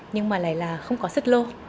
nhưng mà lại là không có xích lô